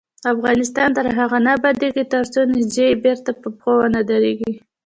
افغانستان تر هغو نه ابادیږي، ترڅو نساجي بیرته په پښو ونه دریږي.